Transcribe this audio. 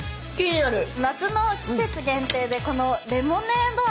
夏の季節限定でこのレモネード味を。